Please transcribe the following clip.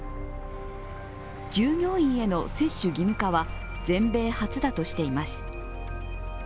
従業員への接種義務化は全米初だとしています。